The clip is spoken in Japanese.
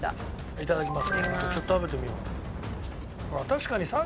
いただきます。